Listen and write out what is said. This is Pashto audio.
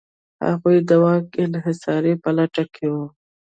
هغوی د واک انحصار په لټه کې و.